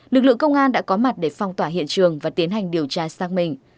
lực lượng công an đã có mặt để phong tỏa hiện trường và tiến hành điều tra sang mình